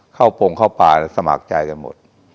เข้าโปรงเข้าปลาสมัครใจกันหมด